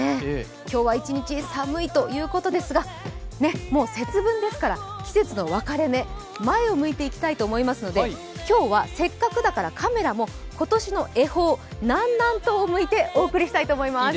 今日は一日寒いということですが節分ですから季節の分かれ目、前を向いていきたいと思いますので、今日はせっかくだからカメラも今年の恵方、南南東を向いてお送りしたいと思います。